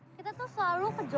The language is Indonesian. apa sih kita tuh selalu ke jogja